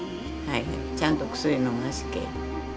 ちゃんとお薬飲ましけえ。